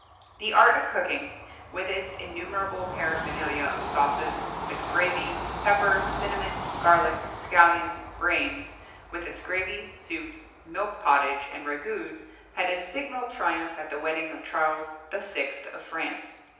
[XXII 33] The art of cooking with its innumerable paraphernalia of sauces with gravy, pepper, cinnamon, garlic, scallion, brains,[XXII 34] with its gravy soups, [Illustration: Pl. 11.] milk pottage, and ragoûts, had a signal triumph at the wedding of Charles VI. of France.